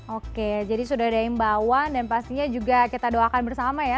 oke jadi sudah ada imbauan dan pastinya juga kita doakan bersama ya